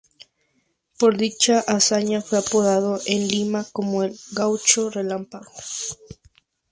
Por dicha hazaña fue apodado en Lima como "El Gaucho Relámpago".